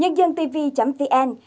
nhân dân tv vn